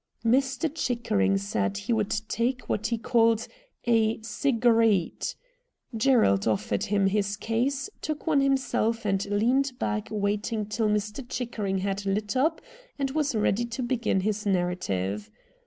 Mr. Chickering said he would take what he called a cii?areet. Gerald offered him his case, took one himself, and leaned back waiting till Mr. Chickering had lit up and was ready to begin his narrative.